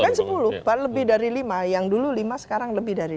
ada bahkan sepuluh lebih dari lima yang dulu lima sekarang lebih dari lima